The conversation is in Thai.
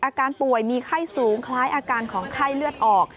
อาการป่วยมีไข้สูงคล้ายอาการของไข้เลือดออก